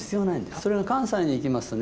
それが関西に行きますとね